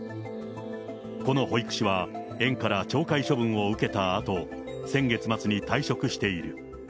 この保育士は園から懲戒処分を受けたあと、先月末に退職している。